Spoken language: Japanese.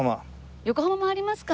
横浜回りますか。